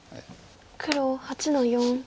黒８の四。